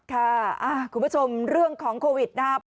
ค่ะคุณผู้ชมเรื่องของโควิดนะ